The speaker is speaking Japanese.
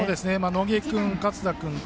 野下君、勝田君武